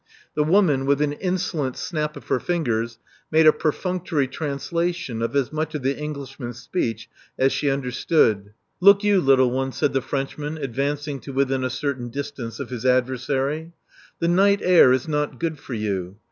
The woman, with an insolent snap of her fingers, made a perfunctory translation of as much of the Englishman's speeclj as she tmderstood. *'Look you, little one. said the Frenchman, advancing to within a certain distance of his adversary, the night air is not good for you.